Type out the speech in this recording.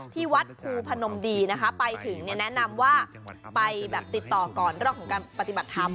ที่วัดภูพนมดีนะคะไปถึงแนะนำว่าไปแบบติดต่อก่อนเรื่องของการปฏิบัติธรรม